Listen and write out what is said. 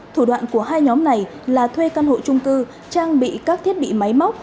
thủ đoạn của hai nhóm này là thuê căn hộ trung cư trang bị các thiết bị máy móc